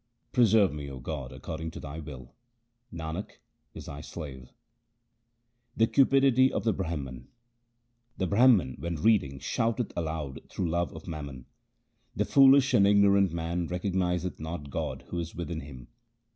Preserve me, O God, according to Thy will ; Nanak is Thy slave. The cupidity of the Brahman :— The Brahman when reading shouteth aloud through love of mammon. The foolish and ignorant man recognizeth not God who is within him.